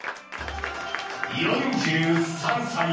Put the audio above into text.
４３歳